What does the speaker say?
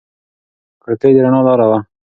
کړکۍ د رڼا لاره وه.